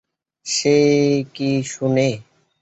সে কি শোনে?